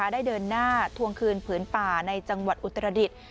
ได้เดินหน้าทวงคืนผืนป่าในจังหวัดอุตรดิษฐ์